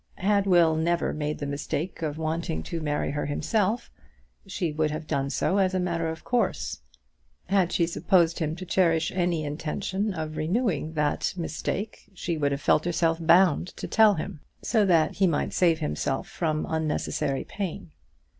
Had Will never made the mistake of wanting to marry her himself, she would have done so as a matter of course. Had she supposed him to cherish any intention of renewing that mistake she would have felt herself bound to tell him, so that he might save himself from unnecessary pain.